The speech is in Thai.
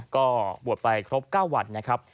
ก็บวชไปครบ๙วัน